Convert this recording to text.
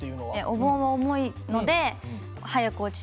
お盆は重いので早く落ちた。